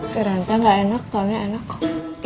kurangnya nggak enak soalnya enak kok